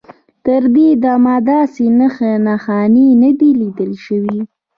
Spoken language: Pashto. تر دې دمه داسې نښې نښانې نه دي لیدل شوي.